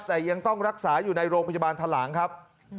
แต่ยังต้องรักษาอยู่ในโรงพยาบาลทะหลังครับ